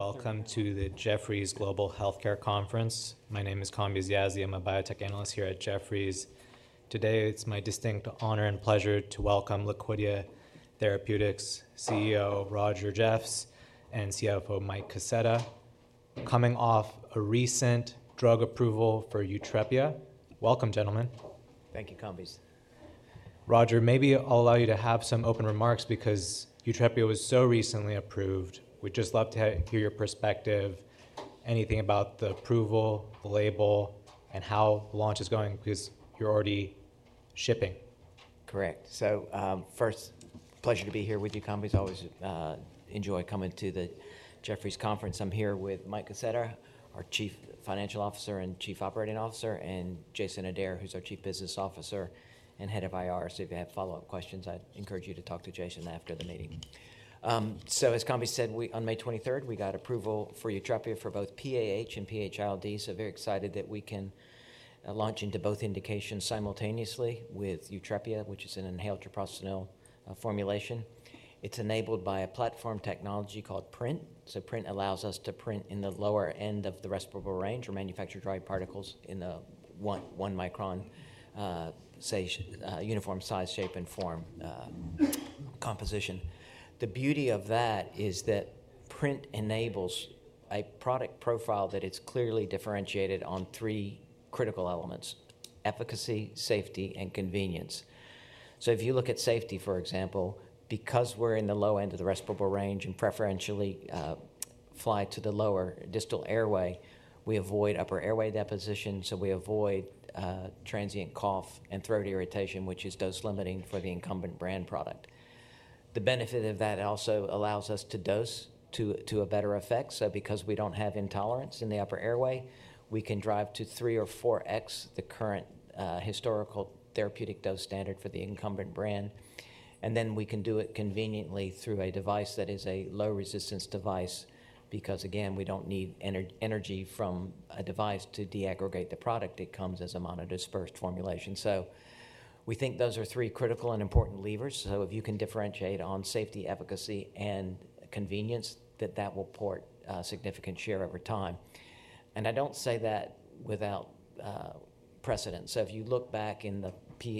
Welcome to the Jefferies Global Healthcare Conference. My name is Kambi Ziazi. I'm a biotech analyst here at Jefferies. Today, it's my distinct honor and pleasure to welcome Liquidia Corporation CEO Roger Jeffs and CFO Mike Kaseta, coming off a recent drug approval for YUTREPIA. Welcome, gentlemen. Thank you, Kambi. Roger, maybe I'll allow you to have some open remarks because YUTREPIA was so recently approved. We'd just love to hear your perspective, anything about the approval, the label, and how the launch is going because you're already shipping. Correct. First, pleasure to be here with you, Kambi. Always enjoy coming to the Jefferies Conference. I'm here with Mike Kaseta, our Chief Financial Officer and Chief Operating Officer, and Jason Adair, who's our Chief Business Officer and Head of IR. If you have follow-up questions, I'd encourage you to talk to Jason after the meeting. As Kambi said, on May 23, we got approval for YUTREPIA for both PAH and PH-ILD. Very excited that we can launch into both indications simultaneously with YUTREPIA, which is an inhaled treprostinil formulation. It's enabled by a platform technology called PRINT. PRINT allows us to print in the lower end of the respirable range or manufacture dried particles in the one-micron uniform size, shape, and form composition. The beauty of that is that PRINT enables a product profile that is clearly differentiated on three critical elements: efficacy, safety, and convenience. If you look at safety, for example, because we're in the low end of the respirable range and preferentially fly to the lower distal airway, we avoid upper airway deposition. We avoid transient cough and throat irritation, which is dose-limiting for the incumbent brand product. The benefit of that also allows us to dose to a better effect. Because we don't have intolerance in the upper airway, we can drive to three or four X the current historical therapeutic dose standard for the incumbent brand. We can do it conveniently through a device that is a low-resistance device because, again, we don't need energy from a device to deaggregate the product. It comes as a monodispersed formulation. We think those are three critical and important levers. If you can differentiate on safety, efficacy, and convenience, that will port a significant share over time. I do not say that without precedence. If you look back in the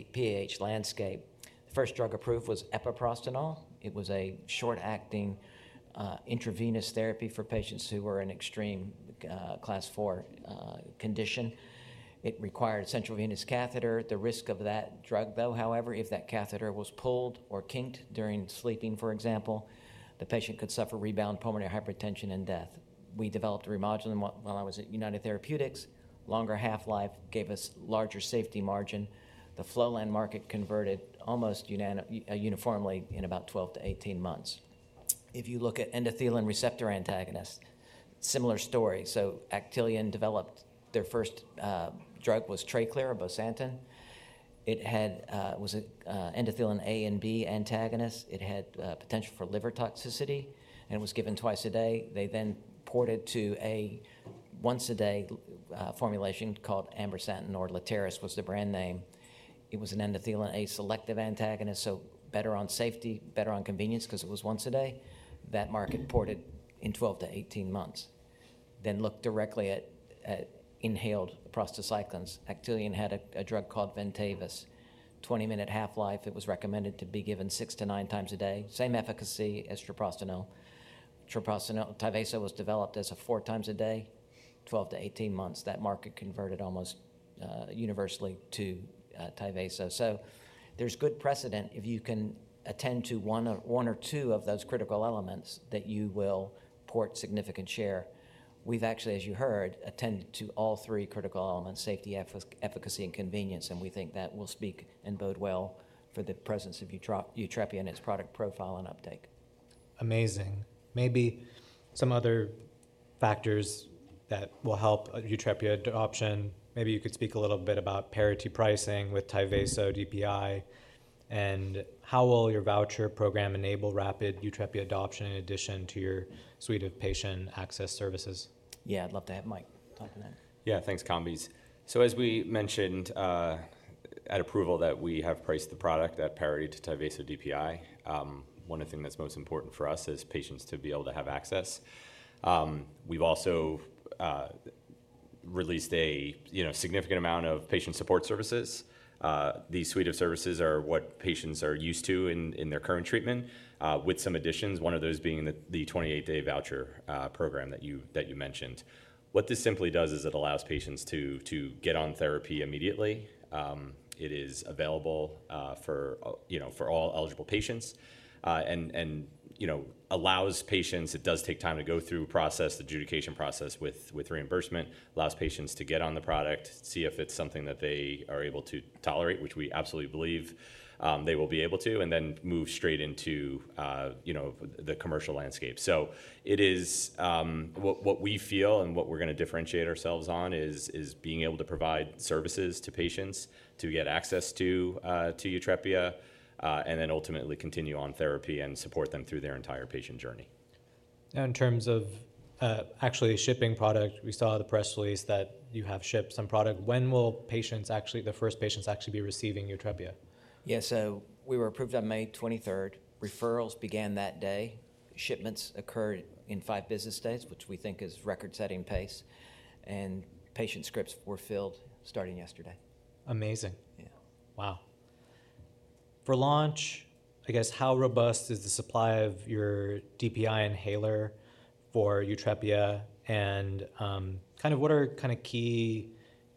PAH landscape, the first drug approved was epoprostenol. It was a short-acting intravenous therapy for patients who were in extreme class four condition. It required a central venous catheter. The risk of that drug, though, however, if that catheter was pulled or kinked during sleeping, for example, the patient could suffer rebound pulmonary hypertension and death. We developed Remodulin while I was at United Therapeutics. Longer half-life gave us a larger safety margin. The Flolan market converted almost uniformly in about 12-18 months. If you look at endothelin receptor antagonists, similar story. Actelion developed their first drug, which was Tracleer or bosentan. It was an endothelin A and B antagonist. It had potential for liver toxicity and was given twice a day. They then ported to a once-a-day formulation called ambrisentan or Letairis was the brand name. It was an endothelin A selective antagonist, so better on safety, better on convenience because it was once a day. That market ported in 12-18 months. Look directly at inhaled prostacyclins. Actelion had a drug called Ventavis. Twenty-minute half-life. It was recommended to be given six to nine times a day. Same efficacy as treprostinil. Tyvaso was developed as a four times a day, 12-18 months. That market converted almost universally to Tyvaso. There is good precedent if you can attend to one or two of those critical elements that you will port significant share. We have actually, as you heard, attended to all three critical elements: safety, efficacy, and convenience. We think that will speak and bode well for the presence of YUTREPIA in its product profile and uptake. Amazing. Maybe some other factors that will help YUTREPIA adoption. Maybe you could speak a little bit about parity pricing with Tyvaso DPI, and how will your voucher program enable rapid YUTREPIA adoption in addition to your suite of patient access services? Yeah, I'd love to have Mike talking there. Yeah, thanks, Kambi. As we mentioned at approval, we have priced the product at parity to Tyvaso DPI. One of the things that's most important for us is patients to be able to have access. We've also released a significant amount of patient support services. The suite of services are what patients are used to in their current treatment, with some additions, one of those being the 28-day voucher program that you mentioned. What this simply does is it allows patients to get on therapy immediately. It is available for all eligible patients and allows patients—it does take time to go through the adjudication process with reimbursement—allows patients to get on the product, see if it's something that they are able to tolerate, which we absolutely believe they will be able to, and then move straight into the commercial landscape. What we feel and what we're going to differentiate ourselves on is being able to provide services to patients to get access to YUTREPIA and then ultimately continue on therapy and support them through their entire patient journey. Now, in terms of actually shipping product, we saw the press release that you have shipped some product. When will patients actually—the first patients actually be receiving YUTREPIA? Yeah, so we were approved on May 23. Referrals began that day. Shipments occurred in five business days, which we think is record-setting pace. Patient scripts were filled starting yesterday. Amazing. Yeah. Wow. For launch, I guess, how robust is the supply of your DPI inhaler for YUTREPIA? And kind of what are kind of key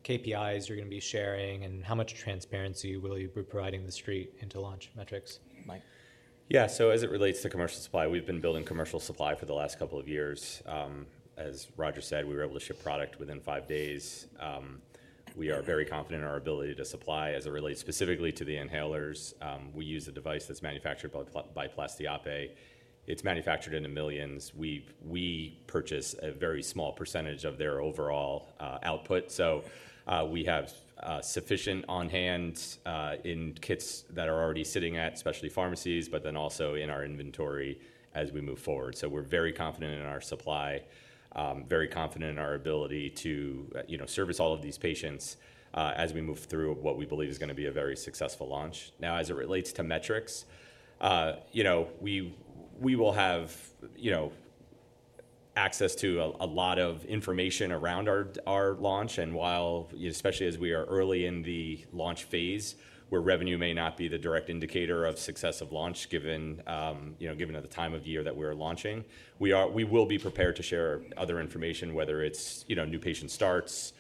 KPIs you're going to be sharing and how much transparency will you be providing the street into launch metrics? Yeah, as it relates to commercial supply, we've been building commercial supply for the last couple of years. As Roger said, we were able to ship product within five days. We are very confident in our ability to supply as it relates specifically to the inhalers. We use a device that's manufactured by PlastiApe. It's manufactured in the millions. We purchase a very small percentage of their overall output. We have sufficient on hand in kits that are already sitting at specialty pharmacies, but also in our inventory as we move forward. We are very confident in our supply, very confident in our ability to service all of these patients as we move through what we believe is going to be a very successful launch. As it relates to metrics, we will have access to a lot of information around our launch. While especially as we are early in the launch phase, where revenue may not be the direct indicator of success of launch given the time of year that we're launching, we will be prepared to share other information, whether it's new patient starts,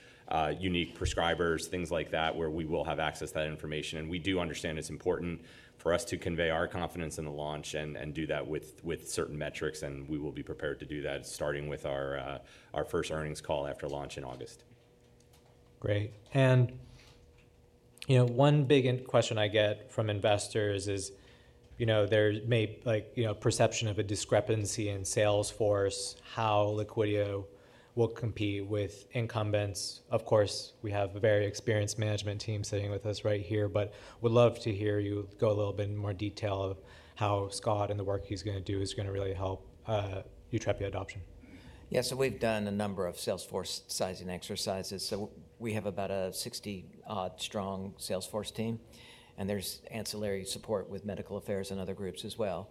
unique prescribers, things like that, where we will have access to that information. We do understand it's important for us to convey our confidence in the launch and do that with certain metrics. We will be prepared to do that starting with our first earnings call after launch in August. Great. One big question I get from investors is there may be a perception of a discrepancy in Salesforce, how Liquidia will compete with incumbents. Of course, we have a very experienced management team sitting with us right here, but would love to hear you go a little bit in more detail of how Scott and the work he's going to do is going to really help YUTREPIA adoption. Yeah, so we've done a number of Salesforce sizing exercises. We have about a 60-strong Salesforce team. There is ancillary support with medical affairs and other groups as well.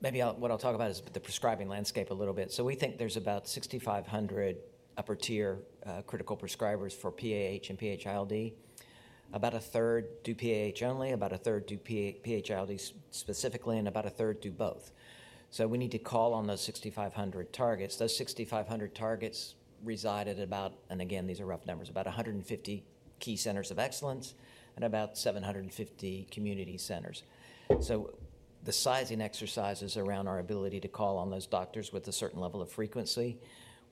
Maybe what I'll talk about is the prescribing landscape a little bit. We think there's about 6,500 upper-tier critical prescribers for PAH and PH-ILD. About a third do PAH only, about a third do PH-ILD specifically, and about a third do both. We need to call on those 6,500 targets. Those 6,500 targets reside at about, and again, these are rough numbers, about 150 key centers of excellence and about 750 community centers. The sizing exercise is around our ability to call on those doctors with a certain level of frequency.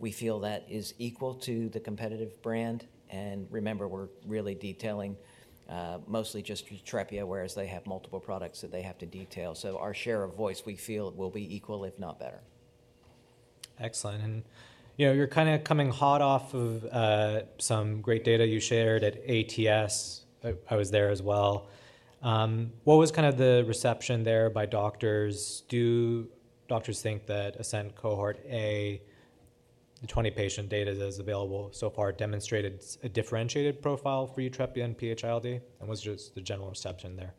We feel that is equal to the competitive brand. Remember, we're really detailing mostly just YUTREPIA, whereas they have multiple products that they have to detail. Our share of voice, we feel, will be equal, if not better. Excellent. You are kind of coming hot off of some great data you shared at ATS. I was there as well. What was kind of the reception there by doctors? Do doctors think that ASCENT Cohort A, the 20-patient data that is available so far, demonstrated a differentiated profile for YUTREPIA and PH-ILD? What is just the general reception there?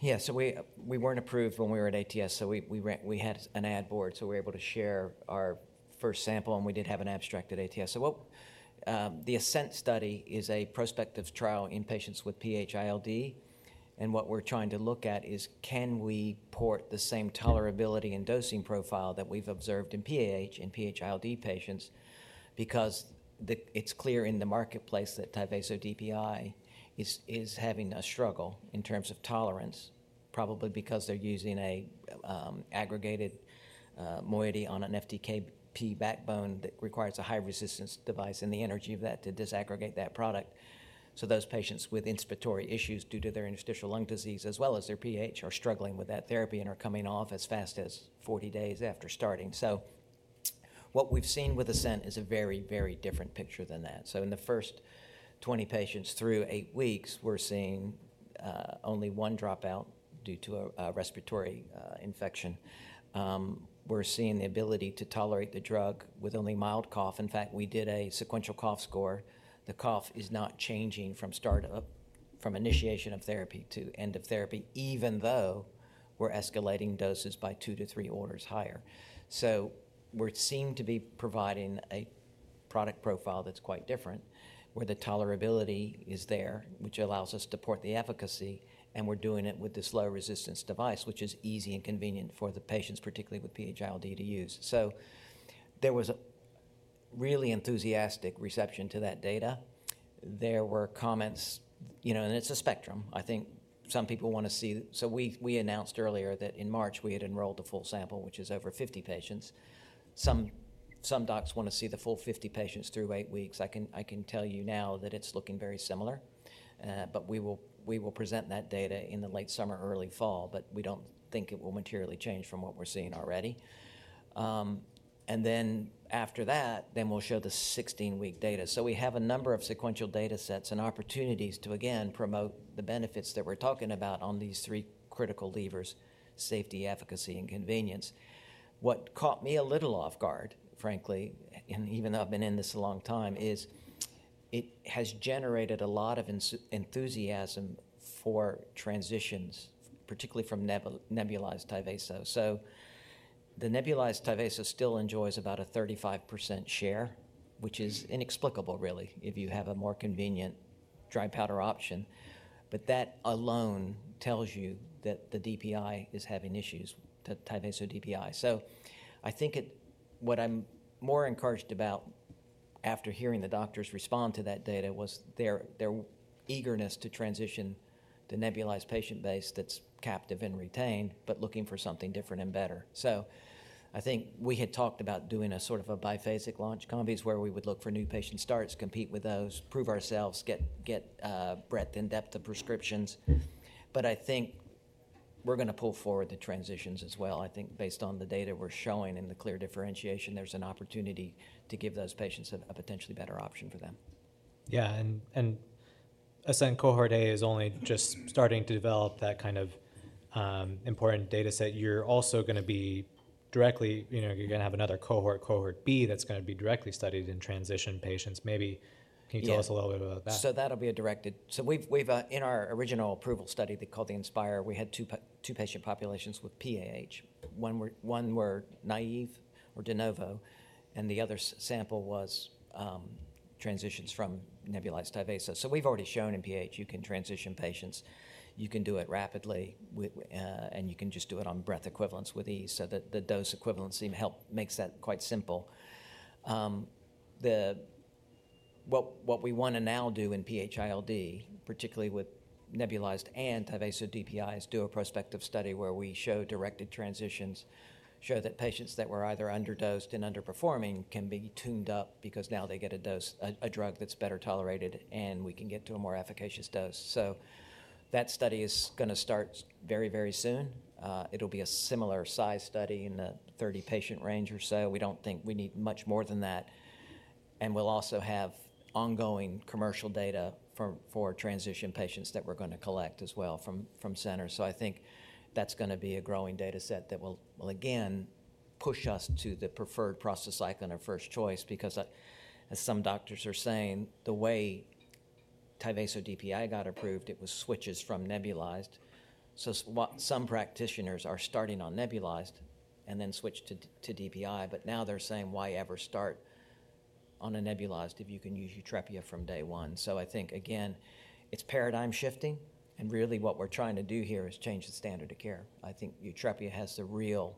Yeah, so we weren't approved when we were at ATS. So we had an ad board. So we were able to share our first sample, and we did have an abstract at ATS. The ASCENT study is a prospective trial in patients with PH-ILD. What we're trying to look at is, can we port the same tolerability and dosing profile that we've observed in PAH and PH-ILD patients? Because it's clear in the marketplace that Tyvaso DPI is having a struggle in terms of tolerance, probably because they're using an aggregated moiety on an FDKP backbone that requires a high-resistance device and the energy of that to disaggregate that product. Those patients with inspiratory issues due to their interstitial lung disease, as well as their PH, are struggling with that therapy and are coming off as fast as 40 days after starting. What we've seen with ASCENT is a very, very different picture than that. In the first 20 patients through eight weeks, we're seeing only one dropout due to a respiratory infection. We're seeing the ability to tolerate the drug with only mild cough. In fact, we did a sequential cough score. The cough is not changing from initiation of therapy to end of therapy, even though we're escalating doses by two to three orders higher. We're seeing to be providing a product profile that's quite different where the tolerability is there, which allows us to port the efficacy. We're doing it with this low-resistance device, which is easy and convenient for the patients, particularly with PH-ILD, to use. There was a really enthusiastic reception to that data. There were comments, and it's a spectrum. I think some people want to see—so we announced earlier that in March, we had enrolled a full sample, which is over 50 patients. Some docs want to see the full 50 patients through eight weeks. I can tell you now that it's looking very similar. We will present that data in the late summer, early fall. We do not think it will materially change from what we're seeing already. After that, we will show the 16-week data. We have a number of sequential data sets and opportunities to, again, promote the benefits that we're talking about on these three critical levers: safety, efficacy, and convenience. What caught me a little off guard, frankly, and even though I've been in this a long time, is it has generated a lot of enthusiasm for transitions, particularly from nebulized Tyvaso. The nebulized Tyvaso still enjoys about a 35% share, which is inexplicable, really, if you have a more convenient dry powder option. That alone tells you that the DPI is having issues with Tyvaso DPI. I think what I'm more encouraged about after hearing the doctors respond to that data was their eagerness to transition to nebulized patient base that's captive and retained, but looking for something different and better. I think we had talked about doing a sort of a biphasic launch, Kambi, where we would look for new patient starts, compete with those, prove ourselves, get breadth and depth of prescriptions. I think we're going to pull forward the transitions as well. I think based on the data we're showing and the clear differentiation, there's an opportunity to give those patients a potentially better option for them. Yeah, and ASCENT Cohort A is only just starting to develop that kind of important data set. You're also going to be directly—you’re going to have another cohort, Cohort B, that's going to be directly studied in transition patients. Maybe can you tell us a little bit about that? That'll be a directed—so in our original approval study called the INSPIRE, we had two patient populations with PAH. One were naive or de novo, and the other sample was transitions from nebulized Tyvaso. We've already shown in PAH, you can transition patients. You can do it rapidly, and you can just do it on breath equivalence with ease. The dose equivalence makes that quite simple. What we want to now do in PH-ILD, particularly with nebulized and Tyvaso DPI, is do a prospective study where we show directed transitions, show that patients that were either underdosed and underperforming can be tuned up because now they get a drug that's better tolerated, and we can get to a more efficacious dose. That study is going to start very, very soon. It'll be a similar size study in the 30-patient range or so. We don't think we need much more than that. We'll also have ongoing commercial data for transition patients that we're going to collect as well from centers. I think that's going to be a growing data set that will, again, push us to the preferred prostacyclin or first choice because, as some doctors are saying, the way Tyvaso DPI got approved, it was switches from nebulized. Some practitioners are starting on nebulized and then switched to DPI. Now they're saying, why ever start on a nebulized if you can use YUTREPIA from day one? I think, again, it's paradigm shifting. Really, what we're trying to do here is change the standard of care. I think YUTREPIA has the real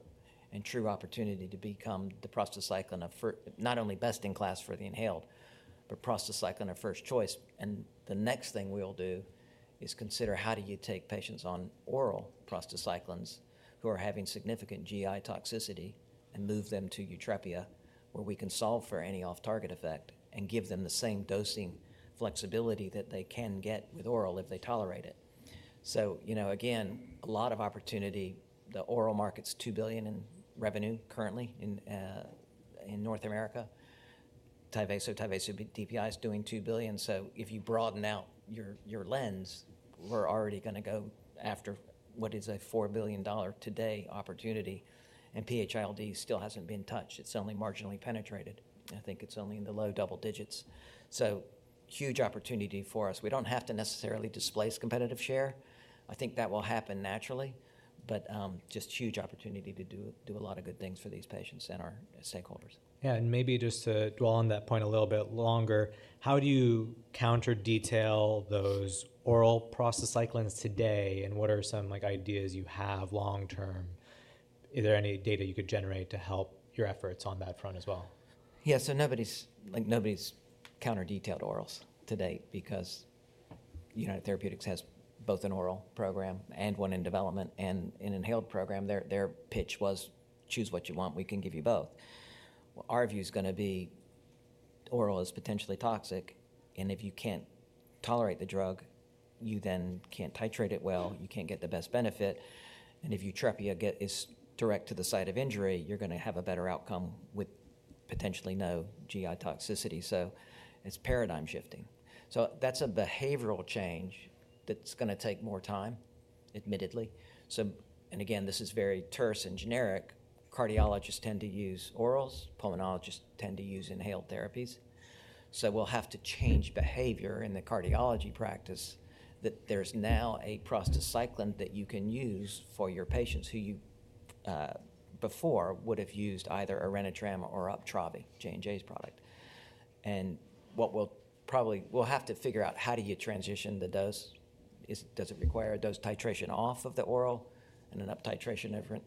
and true opportunity to become the prostacyclin of not only best in class for the inhaled, but prostacyclin of first choice. The next thing we'll do is consider how do you take patients on oral prostacyclins who are having significant GI toxicity and move them to YUTREPIA, where we can solve for any off-target effect and give them the same dosing flexibility that they can get with oral if they tolerate it. Again, a lot of opportunity. The oral market's $2 billion in revenue currently in North America. Tyvaso DPI is doing $2 billion. If you broaden out your lens, we're already going to go after what is a $4 billion today opportunity. PH-ILD still hasn't been touched. It's only marginally penetrated. I think it's only in the low double digits. Huge opportunity for us. We don't have to necessarily displace competitive share. I think that will happen naturally, but just huge opportunity to do a lot of good things for these patients and our stakeholders. Yeah, and maybe just to dwell on that point a little bit longer, how do you counter-detail those oral prostacyclines today? What are some ideas you have long-term? Is there any data you could generate to help your efforts on that front as well? Yeah, so nobody's counter-detailed orals to date because United Therapeutics has both an oral program and one in development and an inhaled program. Their pitch was, "Choose what you want. We can give you both." Our view is going to be oral is potentially toxic. And if you can't tolerate the drug, you then can't titrate it well. You can't get the best benefit. And if YUTREPIA is direct to the site of injury, you're going to have a better outcome with potentially no GI toxicity. It is paradigm shifting. That is a behavioral change that's going to take more time, admittedly. Again, this is very terse and generic. Cardiologists tend to use orals. Pulmonologists tend to use inhaled therapies. We'll have to change behavior in the cardiology practice that there's now a prostacyclin that you can use for your patients who you before would have used either Orenitram or Uptravi, J&J's product. What we'll probably have to figure out, how do you transition the dose? Does it require a dose titration off of the oral and an up titration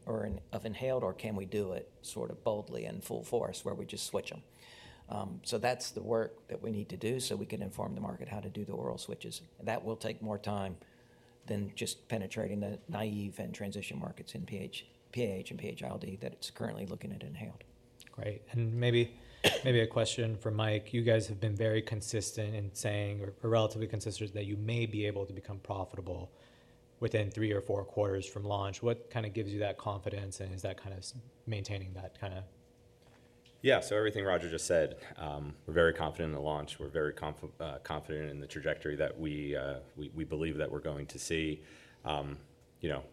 of inhaled, or can we do it sort of boldly and full force where we just switch them? That's the work that we need to do so we can inform the market how to do the oral switches. That will take more time than just penetrating the naive and transition markets in PAH and PH-ILD that it's currently looking at inhaled. Great. Maybe a question for Mike. You guys have been very consistent in saying, or relatively consistent, that you may be able to become profitable within three or four quarters from launch. What kind of gives you that confidence? Is that kind of maintaining that? Yeah, so everything Roger just said, we're very confident in the launch. We're very confident in the trajectory that we believe that we're going to see.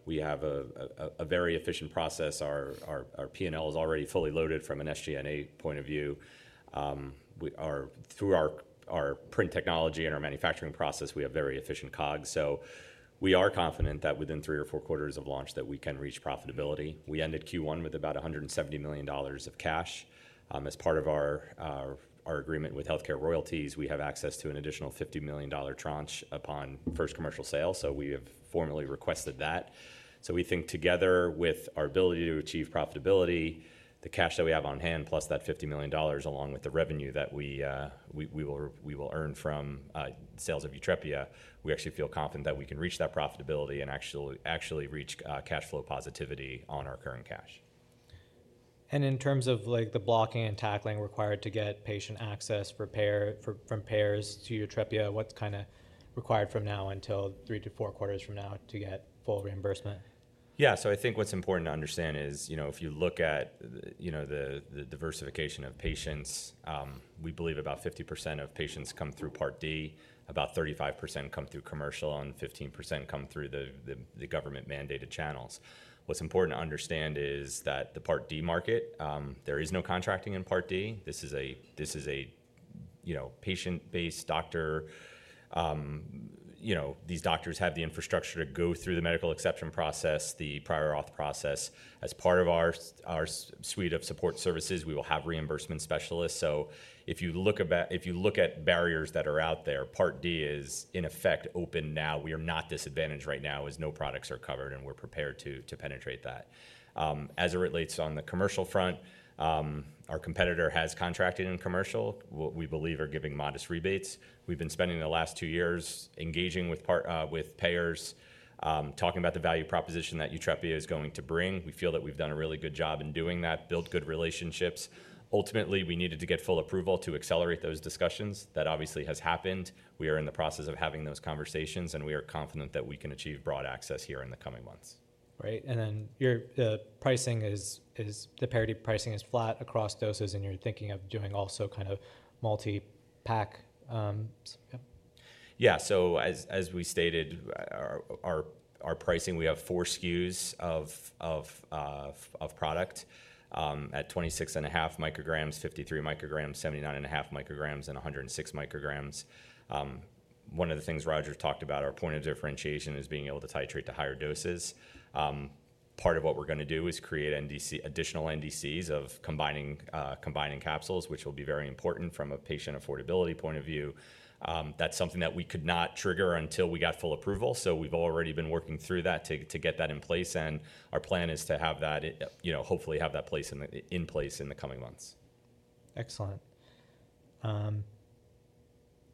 We have a very efficient process. Our P&L is already fully loaded from an SG&A point of view. Through our PRINT technology and our manufacturing process, we have very efficient COGS. We are confident that within three or four quarters of launch that we can reach profitability. We ended Q1 with about $170 million of cash. As part of our agreement with HealthCare Royalty Partners, we have access to an additional $50 million tranche upon first commercial sale. We have formally requested that. We think together with our ability to achieve profitability, the cash that we have on hand, plus that $50 million, along with the revenue that we will earn from sales of YUTREPIA, we actually feel confident that we can reach that profitability and actually reach cash flow positivity on our current cash. In terms of the blocking and tackling required to get patient access from payers to YUTREPIA, what's kind of required from now until three to four quarters from now to get full reimbursement? Yeah, so I think what's important to understand is if you look at the diversification of patients, we believe about 50% of patients come through Part D, about 35% come through commercial, and 15% come through the government-mandated channels. What's important to understand is that the Part D market, there is no contracting in Part D. This is a patient-based doctor. These doctors have the infrastructure to go through the medical exception process, the prior auth process. As part of our suite of support services, we will have reimbursement specialists. If you look at barriers that are out there, Part D is in effect open now. We are not disadvantaged right now as no products are covered, and we're prepared to penetrate that. As it relates on the commercial front, our competitor has contracted in commercial. We believe we're giving modest rebates. We've been spending the last two years engaging with payers, talking about the value proposition that YUTREPIA is going to bring. We feel that we've done a really good job in doing that, built good relationships. Ultimately, we needed to get full approval to accelerate those discussions. That obviously has happened. We are in the process of having those conversations, and we are confident that we can achieve broad access here in the coming months. Right. And then the parity pricing is flat across doses, and you're thinking of doing also kind of multi-pack? Yeah, so as we stated, our pricing, we have four SKUs of product at 26.5 micrograms, 53 micrograms, 79.5 micrograms, and 106 micrograms. One of the things Roger talked about, our point of differentiation is being able to titrate to higher doses. Part of what we are going to do is create additional NDCs of combining capsules, which will be very important from a patient affordability point of view. That is something that we could not trigger until we got full approval. We have already been working through that to get that in place. Our plan is to hopefully have that in place in the coming months. Excellent.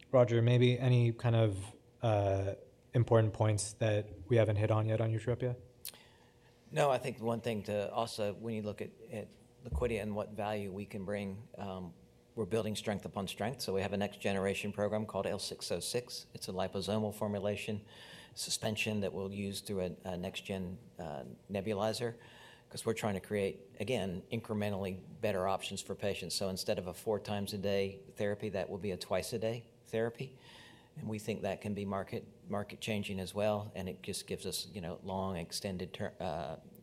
Roger, maybe any kind of important points that we haven't hit on yet on YUTREPIA? No, I think one thing to also, when you look at Liquidia and what value we can bring, we're building strength upon strength. We have a next-generation program called L606. It's a liposomal formulation suspension that we'll use through a next-gen nebulizer because we're trying to create, again, incrementally better options for patients. Instead of a four times a day therapy, that will be a twice-a-day therapy. We think that can be market-changing as well. It just gives us long extended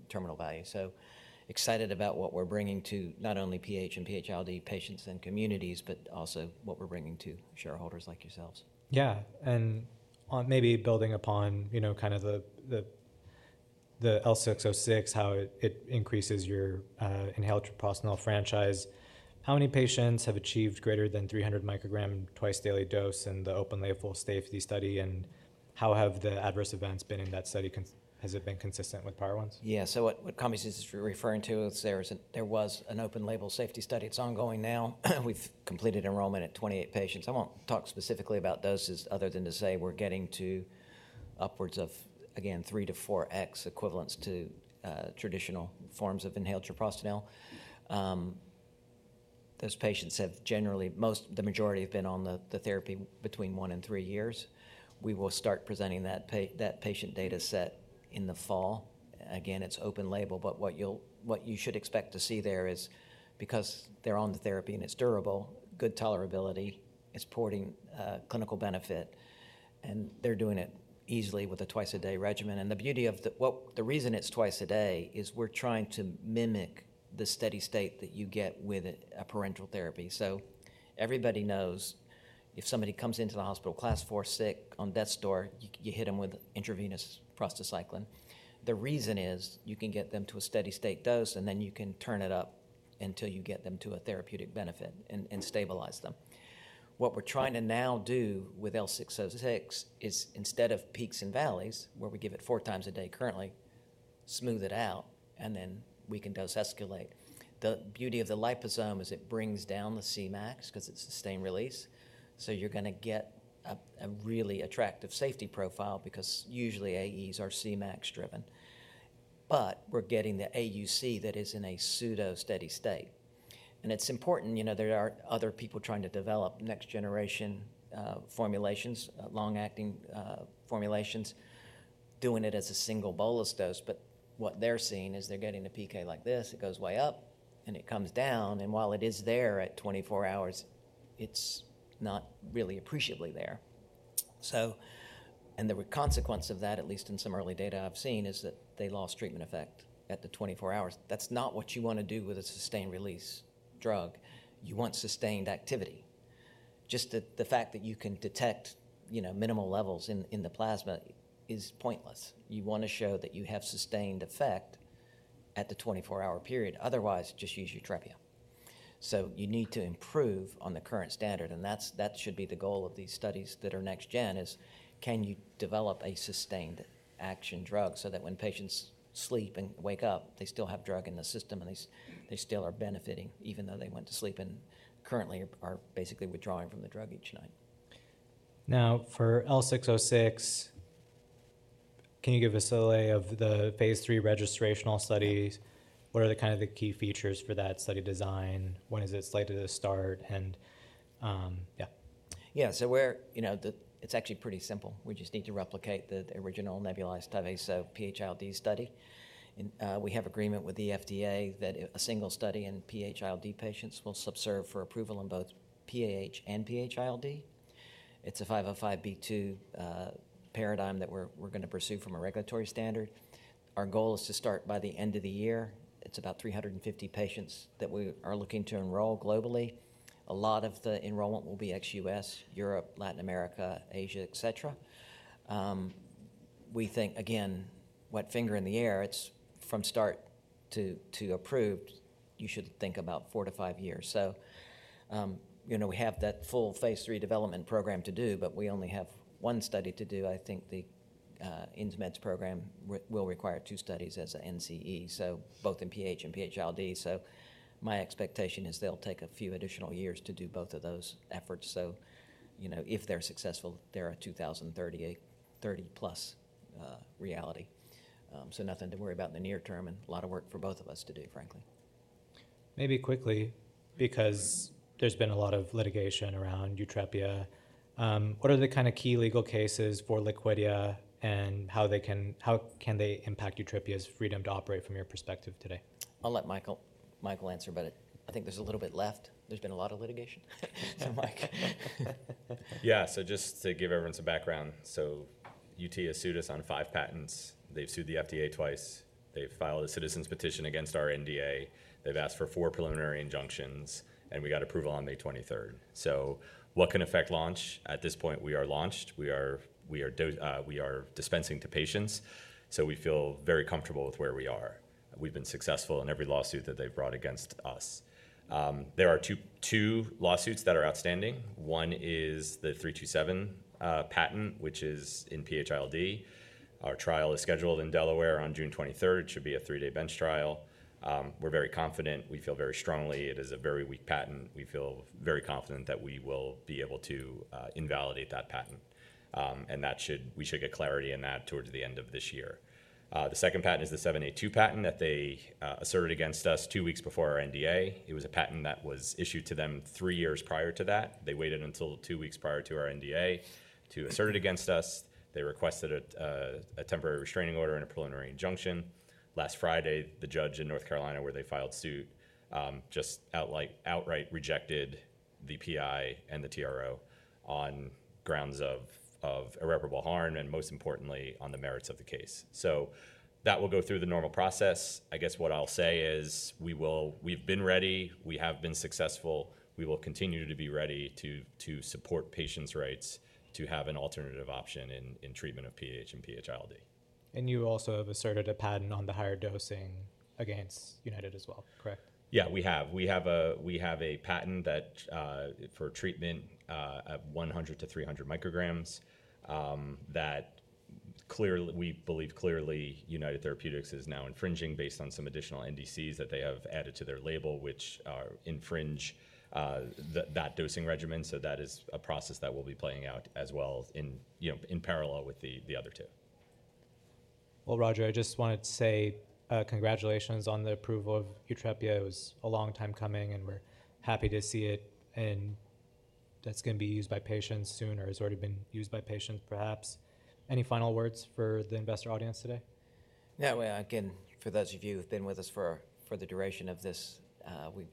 terminal value. Excited about what we're bringing to not only PAH and PH-ILD patients and communities, but also what we're bringing to shareholders like yourselves. Yeah, and maybe building upon kind of the L606, how it increases your inhaled prostacyclin franchise. How many patients have achieved greater than 300 microgram twice-daily dose in the open label safety study? And how have the adverse events been in that study? Has it been consistent with prior ones? Yeah, so what Kambi is referring to is there was an open label safety study. It's ongoing now. We've completed enrollment at 28 patients. I won't talk specifically about doses other than to say we're getting to upwards of, again, three to four X equivalents to traditional forms of inhaled prostacyclin. Those patients have generally, the majority have been on the therapy between one and three years. We will start presenting that patient data set in the fall. Again, it's open label, but what you should expect to see there is because they're on the therapy and it's durable, good tolerability, it's porting clinical benefit, and they're doing it easily with a twice-a-day regimen. The beauty of the reason it's twice a day is we're trying to mimic the steady state that you get with a parenteral therapy. Everybody knows if somebody comes into the hospital class four sick on death's door, you hit them with intravenous prostacyclin. The reason is you can get them to a steady state dose, and then you can turn it up until you get them to a therapeutic benefit and stabilize them. What we're trying to now do with L606 is instead of peaks and valleys, where we give it four times a day currently, smooth it out, and then we can dose escalate. The beauty of the liposome is it brings down the Cmax because it's sustained release. You're going to get a really attractive safety profile because usually AEs are Cmax driven. We're getting the AUC that is in a pseudo-steady state. It's important there are other people trying to develop next-generation formulations, long-acting formulations, doing it as a single bolus dose. What they're seeing is they're getting a PK like this. It goes way up, and it comes down. While it is there at 24 hours, it's not really appreciably there. The consequence of that, at least in some early data I've seen, is that they lost treatment effect at the 24 hours. That's not what you want to do with a sustained release drug. You want sustained activity. Just the fact that you can detect minimal levels in the plasma is pointless. You want to show that you have sustained effect at the 24-hour period. Otherwise, just use YUTREPIA. You need to improve on the current standard. That should be the goal of these studies that are next gen, is can you develop a sustained action drug so that when patients sleep and wake up, they still have drug in the system and they still are benefiting even though they went to sleep and currently are basically withdrawing from the drug each night. Now, for L606, can you give us a lay of the phase three registrational study? What are kind of the key features for that study design? What is it slated to start? Yeah. Yeah, so it's actually pretty simple. We just need to replicate the original nebulized Tyvaso PH-ILD study. We have agreement with the FDA that a single study in PH-ILD patients will subserve for approval in both PAH and PH-ILD. It's a 505(b)(2) paradigm that we're going to pursue from a regulatory standard. Our goal is to start by the end of the year. It's about 350 patients that we are looking to enroll globally. A lot of the enrollment will be ex-US, Europe, Latin America, Asia, et cetera. We think, again, what finger in the air, it's from start to approved, you should think about four to five years. We have that full phase three development program to do, but we only have one study to do. I think the Insmed's program will require two studies as an NCE, so both in PAH and PH-ILD. My expectation is they'll take a few additional years to do both of those efforts. If they're successful, they're a 2030 plus reality. Nothing to worry about in the near term and a lot of work for both of us to do, frankly. Maybe quickly, because there's been a lot of litigation around YUTREPIA, what are the kind of key legal cases for Liquidia and how can they impact YUTREPIA's freedom to operate from your perspective today? I'll let Mike Kaseta answer, but I think there's a little bit left. There's been a lot of litigation. Yeah, so just to give everyone some background, UT has sued us on five patents. They've sued the FDA twice. They've filed a citizens' petition against our NDA. They've asked for four preliminary injunctions, and we got approval on May 23rd. What can affect launch? At this point, we are launched. We are dispensing to patients. We feel very comfortable with where we are. We've been successful in every lawsuit that they've brought against us. There are two lawsuits that are outstanding. One is the '327 patent, which is in PH-ILD. Our trial is scheduled in Delaware on June 23rd. It should be a three-day bench trial. We're very confident. We feel very strongly it is a very weak patent. We feel very confident that we will be able to invalidate that patent. We should get clarity in that towards the end of this year. The second patent is the '782 patent that they asserted against us two weeks before our NDA. It was a patent that was issued to them three years prior to that. They waited until two weeks prior to our NDA to assert it against us. They requested a temporary restraining order and a preliminary injunction. Last Friday, the judge in North Carolina, where they filed suit, just outright rejected the PI and the TRO on grounds of irreparable harm and most importantly, on the merits of the case. That will go through the normal process. I guess what I'll say is we've been ready. We have been successful. We will continue to be ready to support patients' rights to have an alternative option in treatment of PAH and PH-ILD. You also have asserted a patent on the higher dosing against United as well, correct? Yeah, we have. We have a patent for treatment at 100 to 300 micrograms that we believe clearly United Therapeutics is now infringing based on some additional NDCs that they have added to their label, which infringe that dosing regimen. That is a process that will be playing out as well in parallel with the other two. Roger, I just wanted to say congratulations on the approval of YUTREPIA. It was a long time coming, and we're happy to see it. That's going to be used by patients soon or has already been used by patients, perhaps. Any final words for the investor audience today? Yeah, again, for those of you who've been with us for the duration of this,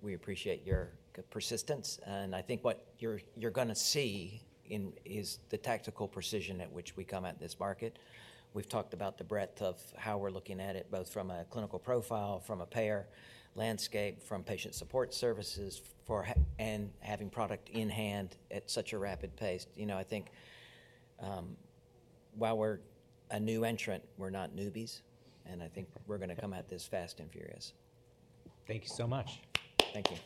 we appreciate your persistence. I think what you're going to see is the tactical precision at which we come at this market. We've talked about the breadth of how we're looking at it, both from a clinical profile, from a payer landscape, from patient support services, and having product in hand at such a rapid pace. I think while we're a new entrant, we're not newbies. I think we're going to come at this fast and furious. Thank you so much. Thank you.